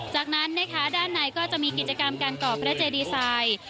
จากนั้นนะคะด้านในก็จะมีกิจกรรมการก่อพระเจดีไซน์